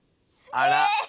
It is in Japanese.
あら。